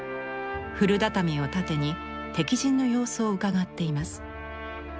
古畳を盾に敵陣の様子をうかがっています。